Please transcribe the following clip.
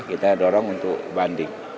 kita dorong untuk banding